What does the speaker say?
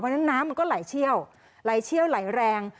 เพราะฉะนั้นน้ำมันก็ไหลเชี่ยวไหลเชี่ยวไหลแรง